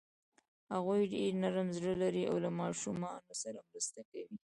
هغوی ډېر نرم زړه لري او له ماشومانو سره مرسته کوي.